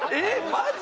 マジ？